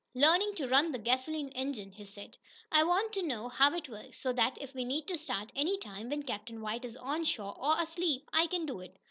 "Learning to run the gasoline engine," he said. "I want to know how it works so that if we need to start any time when Captain White is on shore, or asleep, I can do it."